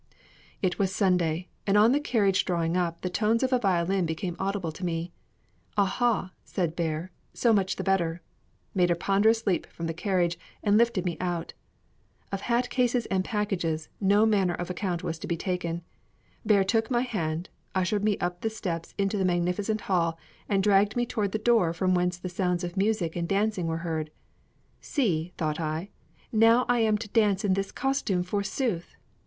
It was Sunday, and on the carriage drawing up, the tones of a violin became audible to me. "Aha!" said Bear, "so much the better;" made a ponderous leap from the carriage, and lifted me out. Of hat cases and packages, no manner of account was to be taken. Bear took my hand, ushered me up the steps into the magnificent hall, and dragged me toward the door from whence the sounds of music and dancing were heard. "See," thought I, "now I am to dance in this costume forsooth!"